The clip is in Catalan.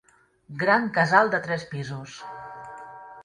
Gran casal de tres pisos.